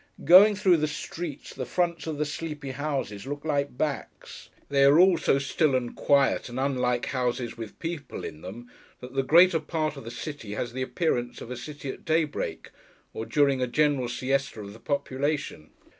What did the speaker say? Going through the streets, the fronts of the sleepy houses look like backs. They are all so still and quiet, and unlike houses with people in them, that the greater part of the city has the appearance of a city at daybreak, or during a general siesta of the population.